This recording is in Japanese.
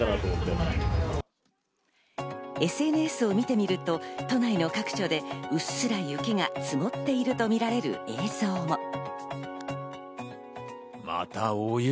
ＳＮＳを見てみると都内の各所でうっすら雪が積もっているとみられる映像も。